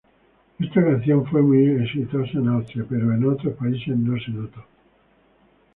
Esta canción fue muy exitosa en Austria, pero en otros países no se notó.